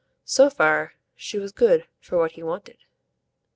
So far she was good for what he wanted.